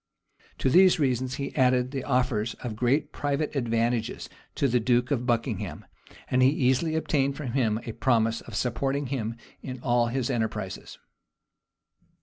To these reasons he added the offers of great private advantages to the duke of Buckingham; and he easily obtained from him a promise of supporting him in all his enterprises.